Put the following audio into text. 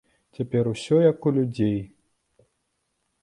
Цяпер усё як у людзей!